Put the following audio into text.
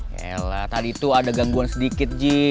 yelah tadi tuh ada gangguan sedikit ji